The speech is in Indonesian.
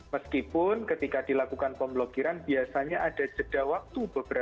meskipun ketika dilakukan pemblokiran biasanya ada jeda waktu beberapa hari